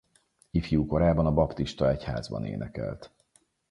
Ifjú korában a Baptista Egyházban énekelt.